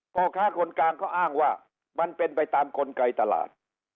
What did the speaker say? พ่อค้าคนกลางเขาอ้างว่ามันเป็นไปตามกลไกตลาด